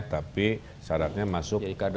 tapi syaratnya masuk